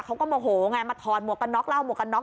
เขาก็โมโหไงมาถอดหมวกกันน็อกเล่าหมวกกันน็